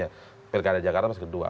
ya pilkada jakarta masih kedua